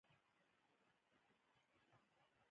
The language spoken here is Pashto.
اوبه او د ونې لرګي د دې شیانو بیلګې دي.